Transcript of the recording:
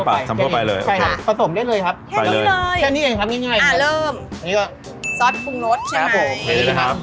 ทำตัวไปเลยออกไหมใช่นะครับผสมได้เลยครับก็นี้ค่ะแค่นี้เลย